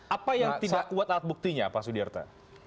apa yang tidak kuat alat buktinya pak sudirta